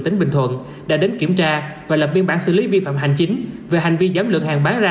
tỉnh bình thuận đã đến kiểm tra và lập biên bản xử lý vi phạm hành chính về hành vi giảm lượng hàng bán ra